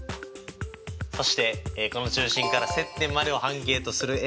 そしてこの中心から接点までを半径とする円を描きます！